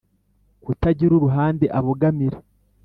kutagira uruhande abogamira